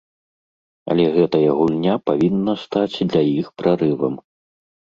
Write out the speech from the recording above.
Але гэтая гульня павінна стаць для іх прарывам.